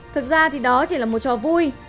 thực ra thì đó chỉ là một trò vui